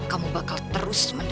kamu bakal terus menderita ranti